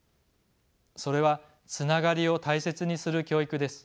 それはつながりを大切にする教育です。